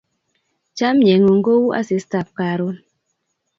Chamyengung ko u asistab karon